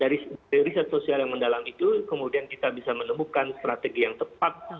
dari riset sosial yang mendalam itu kemudian kita bisa menemukan strategi yang tepat